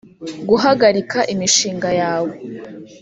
Guhagarika imishinga yawe